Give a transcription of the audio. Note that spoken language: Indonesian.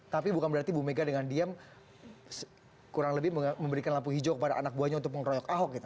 tapi bukan berarti ibu mega dengan diam kurang lebih memberikan lampu hijau kepada anak buahnya untuk mengeroyok ahok gitu